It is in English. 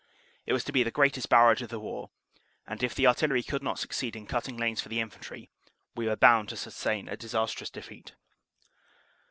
It was to be the greatest barrage of the war, and if the artillery could not succeed in cutting lanes for the infantry, we were bound to sustain a disastrous defeat.